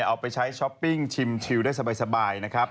เอาไปใช้ช้อปปิ้งชิมได้สบายนะครับ